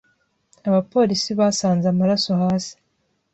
Abapolisi basanze amaraso hasi.